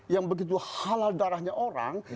yang begitu halal darahnya orang